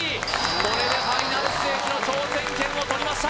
これでファイナルステージの挑戦権をとりました